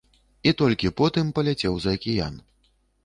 І толькі потым паляцеў за акіян.